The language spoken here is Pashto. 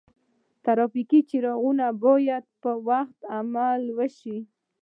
د ترافیک څراغونو ته باید په وخت عمل وشي.